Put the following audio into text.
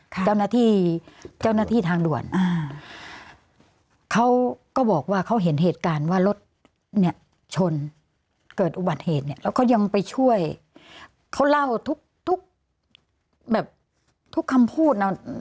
เจ้าหน้าที่เจ้าหน้าที่ทางด่วนอ่าเขาก็บอกว่าเขาเห็นเหตุการณ์ว่ารถเนี่ยชนเกิดอุบัติเหตุเนี่ยแล้วเขายังไปช่วยเขาเล่าทุกแบบทุกคำพูดนะ